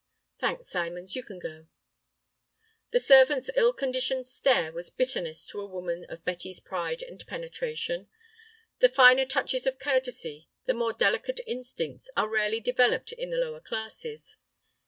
"Thanks, Symons, you can go." The servant's ill conditioned stare was bitterness to a woman of Betty's pride and penetration. The finer touches of courtesy, the more delicate instincts, are rarely developed in the lower classes.